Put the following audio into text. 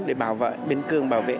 để bảo vệ biến cường bảo vệ